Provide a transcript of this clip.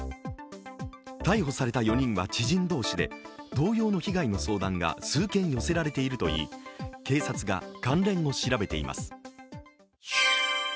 逮捕された４人は知人同士で同様の被害の相談が数件寄せられているといい警察が関連を調べています。